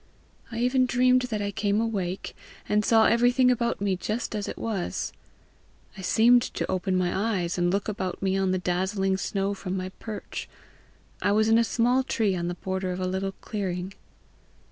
I even dreamed that I came awake, and saw everything about me just as it was. I seemed to open my eyes, and look about me on the dazzling snow from my perch: I was in a small tree on the border of a little clearing.